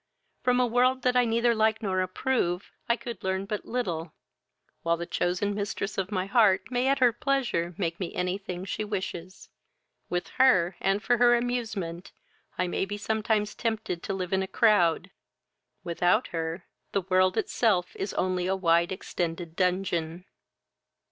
From a world that I neither like nor approve, I could learn but little, while the chosen mistress of my heart may at her pleasure make me any thing she wishes. With her, and for her amusement, I may be sometimes tempted to live in a crowd; without her, the world itself is only a wide extended dungeon."